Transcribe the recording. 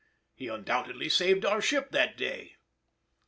He undoubtedly saved our ship that day.